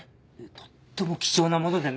とっても貴重なものでね。